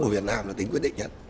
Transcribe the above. của việt nam là tính quyết định nhất